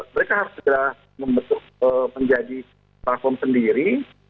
mereka harus segera membentuk menjadi platform sendiri